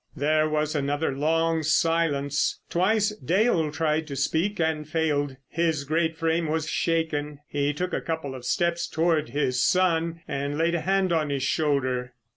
There was another long silence. Twice Dale tried to speak and failed. His great frame was shaken. He took a couple of steps towards his son and laid a hand on his shoulder.